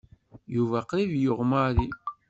Yuba qrib yuɣ Mary.